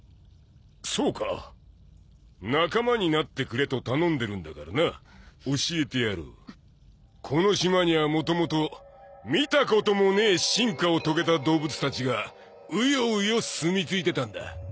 そうか仲間になってくれと頼んでるんだからな教えてやろうこの島にはもともと見たこともねえ進化を遂げた動物たちがウヨウヨ住みついてたんだ